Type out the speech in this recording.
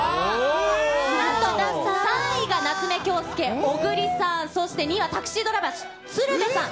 なんと３位が夏目恭輔、小栗さん、そして２位はタクシードライバー、鶴瓶さん。